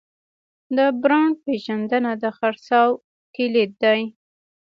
د برانډ پیژندنه د خرڅلاو کلید دی.